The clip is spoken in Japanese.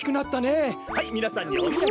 はいみなさんにおみやげ。